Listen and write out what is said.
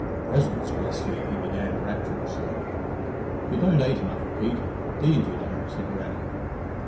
"Presents, bless ye," he began rapturously "You don't ate enough, Pete, 'deed you don't," said Grannie.